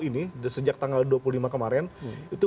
ini sejak tanggal dua puluh lima kemarin itu